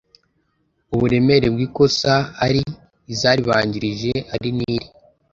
Uburemere bw’ikosa ari izaribanjirije ari n’iri